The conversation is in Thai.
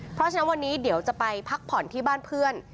เพราะฉะนั้นวันนี้เดี๋ยวจะไปพักผ่อนที่บ้านเพื่อน